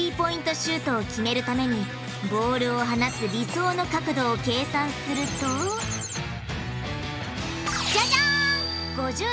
シュートを決めるためにボールを放つ理想の角度を計算するとじゃじゃん！